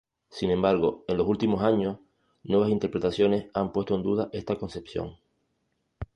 Sin embargo, en los últimos años nuevas interpretaciones han puesto en duda esta concepción.